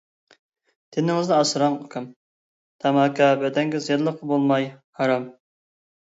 تېنىڭىزنى ئاسراڭ ئۇكام، تاماكا بەدەنگە زىيانلىقلا بولماي، ھارام.